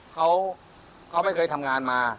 เขาไม่เคยทำงานมา